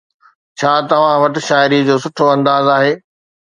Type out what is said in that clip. ڇا توهان وٽ شاعري جو سٺو انداز آهي؟